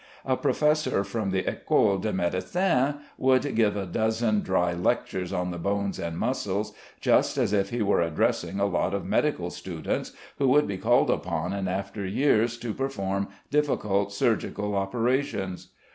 A professor from the Ecole de Médecine would give a dozen dry lectures on the bones and muscles, just as if he were addressing a lot of medical students who would be called upon in after years to perform difficult surgical operations.